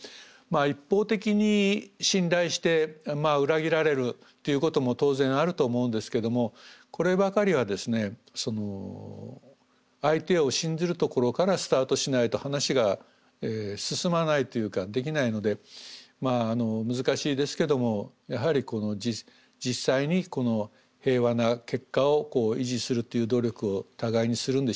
一方的に信頼して裏切られるということも当然あると思うんですけどもこればかりはですね相手を信ずるところからスタートしないと話が進まないというかできないのでまあ難しいですけどもやはり実際にこの平和な結果を維持するという努力を互いにするんでしょうね。